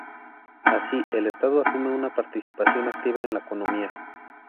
Así, el Estado asume una participación activa en la economía.